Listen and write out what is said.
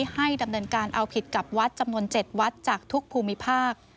ให้ดำเนินการเอาผิดกับวัดจำนวน๗วัดจากทุกภูมิภาค